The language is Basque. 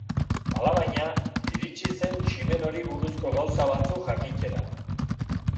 Alabaina, iritsi zen Ximenori buruzko gauza batzuk jakitera.